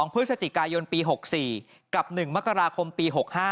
พฤศจิกายนปี๖๔กับ๑มกราคมปี๖๕